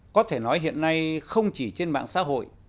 có thể nói hiện nay không chỉ trên mạng xã hội